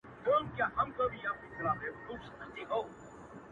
o زخمي ـ زخمي سترګي که زما وویني.